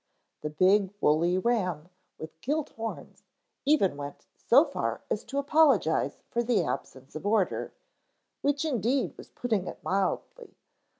The big woolly ram, with gilt horns, even went so far as to apologize for the absence of order, which indeed was putting it mildly.